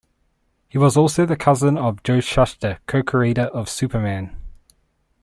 He was also the cousin of Joe Shuster, co-creator of "Superman".